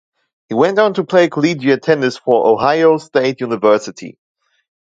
He went on to play collegiate tennis for Ohio State University.